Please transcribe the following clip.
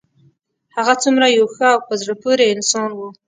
هغه څومره یو ښه او په زړه پورې انسان و